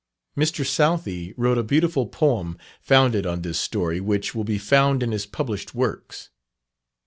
Mr. Southey wrote a beautiful poem founded on this story, which will be found in his published works.